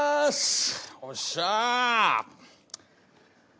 おっしゃ！